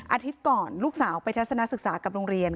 อาทิตย์ก่อนลูกสาวไปทัศนศึกษากับโรงเรียน